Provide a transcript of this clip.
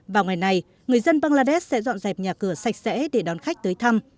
vào ngày này người dân bangladesh sẽ dọn dẹp nhà cửa sạch sẽ để đón khách tới thăm